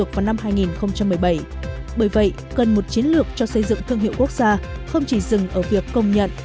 vì vậy cần một chiến lược cho xây dựng thương hiệu quốc gia không chỉ dừng ở việc công nhận